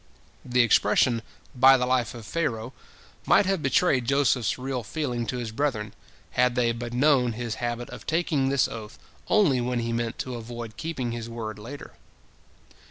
" The expression "by the life of Pharaoh" might have betrayed Joseph's real feeling to his brethren, had they but known his habit of taking this oath only when he meant to avoid keeping his word later.